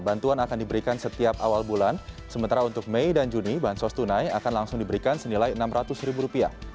bantuan akan diberikan setiap awal bulan sementara untuk mei dan juni bansos tunai akan langsung diberikan senilai rp enam ratus